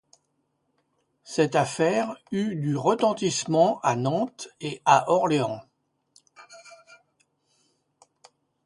Cette affaire eut du retentissement à Nantes et à Orléans.